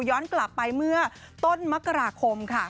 ย้อนกลับไปเมื่อต้นมกราคมค่ะ